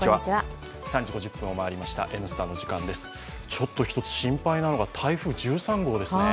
ちょっとひとつ心配なのが台風１３号の進路ですね。